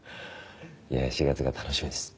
いや４月が楽しみです。